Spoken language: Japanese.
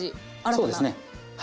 そうですねはい。